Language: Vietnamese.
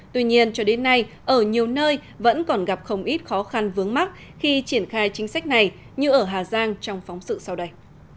tuy nhiên cho đến nay ở nhiều nơi vẫn còn gặp không ít khó khăn vướng mắt khi triển khai chính sách này như ở hà giang trong phóng sự sau đây